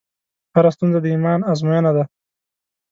هره ستونزه د ایمان ازموینه ده.